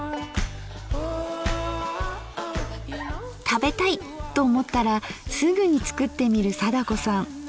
「食べたい」と思ったらすぐに作ってみる貞子さん。